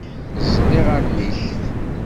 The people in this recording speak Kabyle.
Ẓẓel iɣallen-ik.